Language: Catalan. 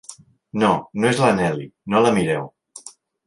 No, no és la Nelly; no la mireu!